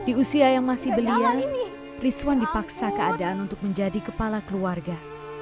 di usia yang masih belia rizwan dipaksa keadaan untuk menjadi kepala keluarga